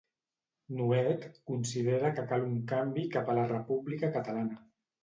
Nuet considera que cal un canvi cap a la república catalana.